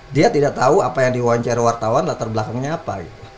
dia tidak tahu apa yang diwawancarai wartawan latar belakangnya apa